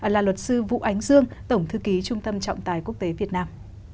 là luật sư vũ ánh dương tổng thư ký trung tâm trọng tài quốc tế việt nam